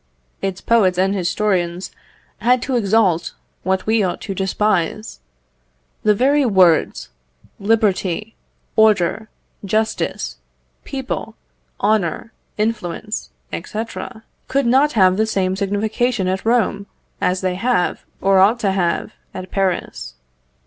Its poets and historians had to exalt what we ought to despise. The very words, liberty, order, justice, people, honour, influence, &c., could not have the same signification at Rome, as they have, or ought to have, at Paris.